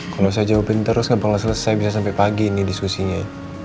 kalau saya jawabin terus nggak boleh selesai bisa sampai pagi ini diskusinya